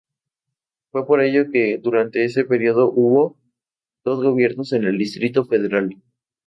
Fue por ello que durante ese periodo hubo dos gobiernos en el Distrito Federal.